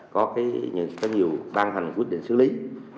có nhiều ban hành quyết định xử lý